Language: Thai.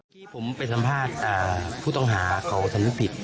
พี่ผมไปสัมภาษณ์ผู้ต้องหาของศัลยภิกษ์